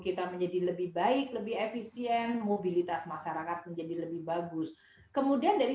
kita menjadi lebih baik lebih efisien mobilitas masyarakat menjadi lebih bagus kemudian dari